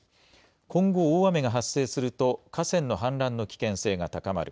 今後、大雨が発生すると、河川の氾濫の危険性が高まる。